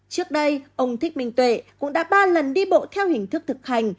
trước đây ông thích minh tuệ cũng đã ba lần đi bộ theo hình thức thực hành